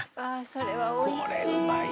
それはおいしい。